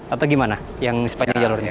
atau gimana yang sepanjang jalurnya